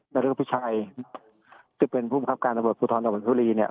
นรกพิชัยคือเป็นผู้มีความการตำรวจภูทรตำรวจภูทรีย์เนี่ย